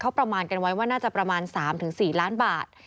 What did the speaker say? เขาประมาณกันไว้ว่าน่าจะประมาณ๓๔ล้านบาท